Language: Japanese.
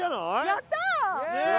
やったー！